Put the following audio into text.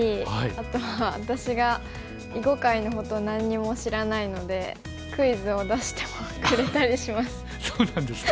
あとは私が囲碁界のことを何にも知らないのでクイズを出してくれたりします。